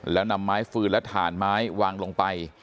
แล้วนำไม้ฟืนและถ่านไม้วางลงไป